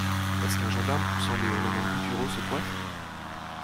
Est-ce qu'un gendarme poussant des hurlements gutturaux se coiffe?